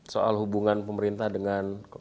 soal hubungan pemerintah dengan